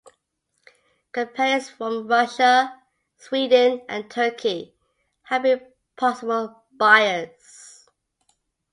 Companies from Russia, Sweden, and Turkey have been possible buyers.